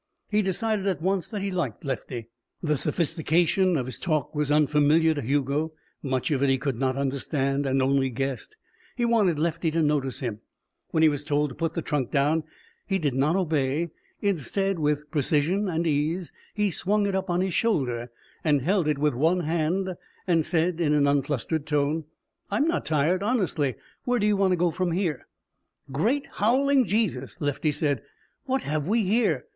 He decided at once that he liked Lefty. The sophistication of his talk was unfamiliar to Hugo; much of it he could not understand and only guessed. He wanted Lefty to notice him. When he was told to put the trunk down, he did not obey. Instead, with precision and ease, he swung it up on his shoulder, held it with one hand and said in an unflustered tone: "I'm not tired, honestly. Where do we go from here?" "Great howling Jesus!" Lefty said, "what have we here?